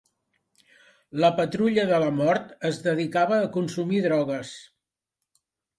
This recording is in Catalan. La Patrulla de la Mort es dedicava a consumir drogues.